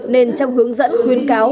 nên trong hướng dẫn khuyến cáo